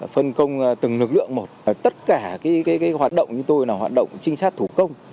phân công từng lực lượng một tất cả hoạt động như tôi là hoạt động trinh sát thủ công